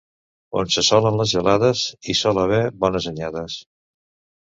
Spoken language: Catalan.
On s'assolen les gelades, hi sol haver bones anyades.